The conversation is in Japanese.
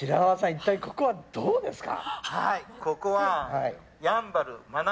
一体ここはどこですか？